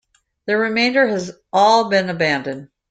The remainder has all been abandoned.